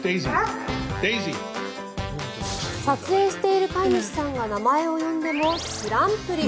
撮影している飼い主さんが名前を呼んでも知らんぷり。